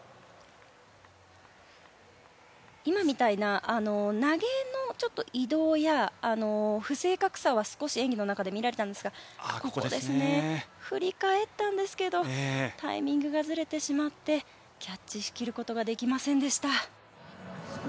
今みたいな投げの移動や不正確さは少し演技の中で見られたんですがここですね振り返ったんですけどタイミングがずれてしまってキャッチしきることができませんでした。